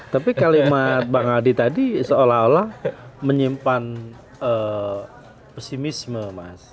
tapi kalimat bang adi tadi seolah olah menyimpan pesimisme mas